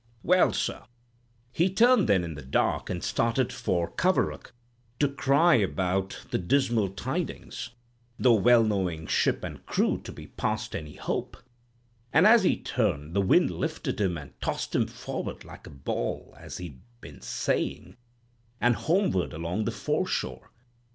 "Well, sir, he turned then in the dark and started back for Coverack to cry the dismal tidings—though well knowing ship and crew to be past any hope, and as he turned the wind lifted him and tossed him forward 'like a ball,' as he'd been saying, and homeward along the foreshore.